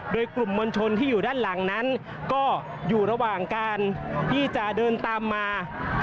โดยกลุ่มมวลชนที่อยู่ด้านหลังนั้นก็อยู่ระหว่างการที่จะเดินตามมา